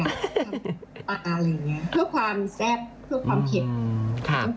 อะไรอย่างเงี้ยเพื่อความแซ่บเพื่อความเผ็ดค่ะ